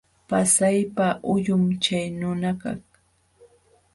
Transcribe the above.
Pasaypa huyum chay nunakaq.